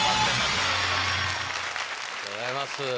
ありがとうございます。